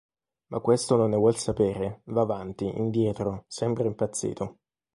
Ma questo non ne vuol sapere: va avanti, indietro, sembra impazzito.